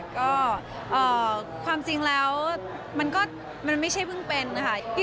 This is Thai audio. ก็ความจริงแล้วมันก็มันไม่ใช่เพิ่งเป็นนะคะ